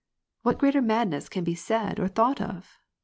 What greater madness can be said, or thought of